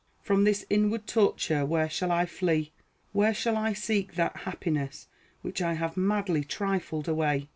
From this inward torture where shall I flee? Where shall I seek that happiness which I have madly trifled away?